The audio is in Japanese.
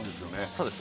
そうです